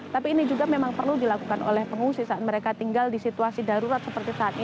tapi ini juga memang perlu dilakukan oleh pengungsi saat mereka tinggal di situasi darurat seperti saat ini